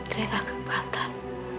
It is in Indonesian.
saya gak keberatan